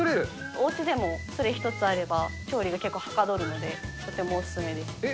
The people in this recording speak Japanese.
おうちでもそれ１つあれば調理が結構はかどるので、とてもおえっ？